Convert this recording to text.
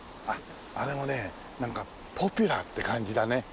あっあれもねなんかポピュラーって感じだね。